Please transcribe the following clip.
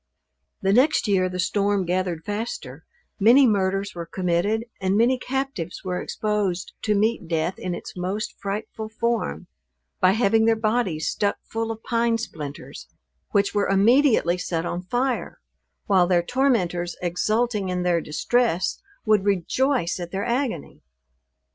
The next year the storm gathered faster; many murders were committed; and many captives were exposed to meet death in its most frightful form, by having their bodies stuck full of pine splinters, which were immediately set on fire, while their tormentors, exulting in their distress, would rejoice at their agony!